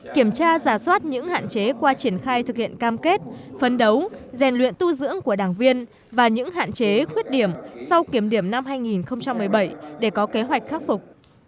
kiểm tra giả soát những hạn chế qua triển khai thực hiện cam kết phấn đấu rèn luyện tu dưỡng của đảng viên và những hạn chế khuyết điểm sau kiểm điểm năm hai nghìn một mươi bảy để có kế hoạch khắc phục